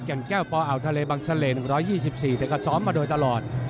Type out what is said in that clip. แก่งแก้วปอาวทะเลบังษะเร๑๒๔เธอกัดซ้อมมาโดยตลอด